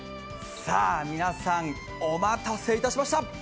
皆さん、お待たせいたしました。